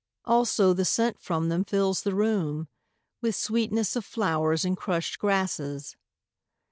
Also the scent from them fills the room With sweetness of flowers and crushed grasses.